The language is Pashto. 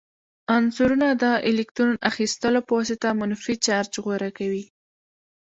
عنصرونه د الکترون اخیستلو په واسطه منفي چارج غوره کوي.